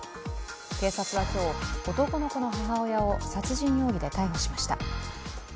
警察は今日、男の子の母親を殺人容疑で逮捕しました。